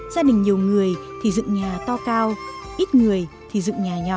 gia đình nhiều người thì dựng nhà to cao ít người thì dựng nhà nhỏ